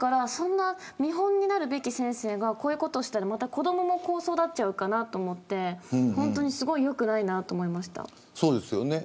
見本になるべき先生がこういうことをしたら子どももこう育っちゃうかなと思ってよくないなと思いました。